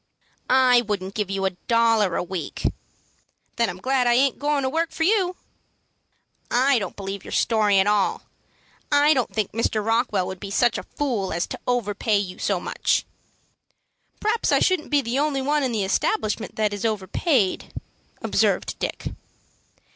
"I wouldn't give you a dollar a week." "Then I'm glad I aint goin' to work for you." "I don't believe your story at all. I don't think Mr. Rockwell would be such a fool as to overpay you so much." "P'r'aps I shouldn't be the only one in the establishment that is overpaid," observed Dick.